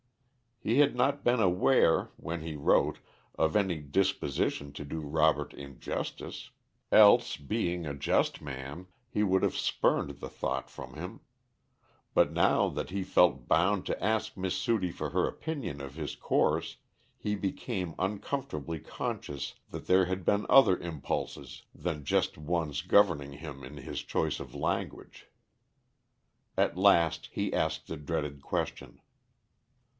He had not been aware, when he wrote, of any disposition to do Robert injustice, else, being a just man, he would have spurned the thought from him; but now that he felt bound to ask Miss Sudie for her opinion of his course, he became uncomfortably conscious that there had been other impulses than just ones governing him in his choice of language. At last he asked the dreaded question.